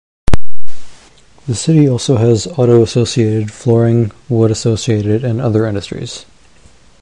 The city also has auto-associated, flooring, wood-associated, and other industries.